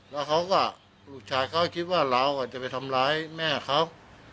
แล้วเขาก็ลูกชายเขาคิดว่าเราจะไปทำร้ายแม่เขา